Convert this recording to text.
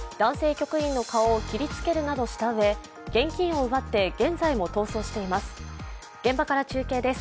局員の顔を切りつけるなどしたうえ現金を奪って、現在も逃走しています。